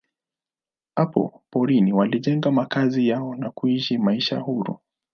Hapa porini walijenga makazi yao na kuishi maisha huru.